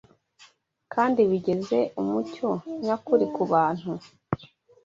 kandi bigeze umucyo nyakuri ku bantu.